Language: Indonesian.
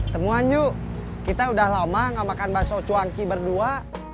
temuan yuk kita udah lama gak makan bakso cuangki berdua